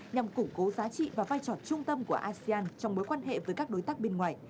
nhằm củng cố giá trị và vai trò trung tâm của asean trong mối quan hệ với các đối tác bên ngoài